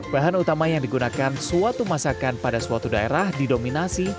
bahan utama yang digunakan suatu masakan pada suatu daerah didominasi